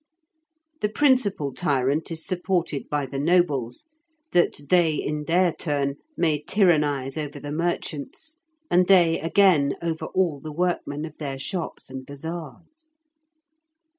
The principal tyrant is supported by the nobles, that they in their turn may tyrannise over the merchants, and they again over all the workmen of their shops and bazaars.